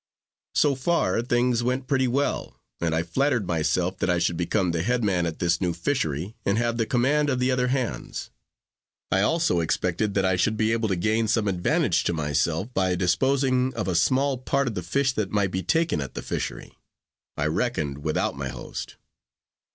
So far things went pretty well, and I flattered myself that I should become the head man at this new fishery, and have the command of the other hands. I also expected that I should be able to gain some advantage to myself, by disposing of a part of the small fish that might be taken at the fishery. I reckoned without my host.